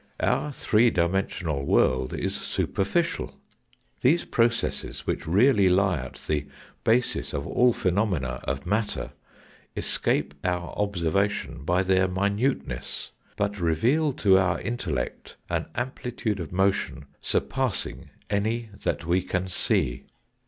Our three dimensional world is superficial. These processes, which really lie at the basis of all phenomena of matter, escape our observation by their, minuteness, but reveal to our intellect an amplitude of motion surpassing any that we can see.